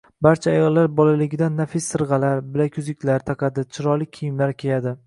Barcha ayollar bolaligidan nafis sirg‘alar, bilakuzuklar taqadi, chiroyli kiyimlar kiyadi.